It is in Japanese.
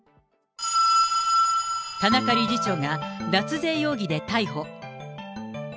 田中理事長が脱税容疑で逮捕。